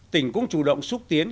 tỉnh cũng chủ động xúc tiến